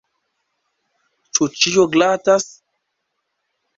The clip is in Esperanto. Ĉu ĉio glatas?